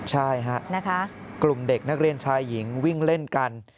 ใช่ฮะกลุ่มเด็กนักเรียนชายหญิงวิ่งเล่นกัน